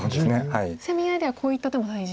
攻め合いではこういった手も大事。